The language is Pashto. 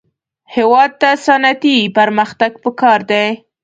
هېواد ته صنعتي پرمختګ پکار دی